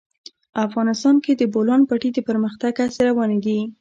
افغانستان کې د د بولان پټي د پرمختګ هڅې روانې دي.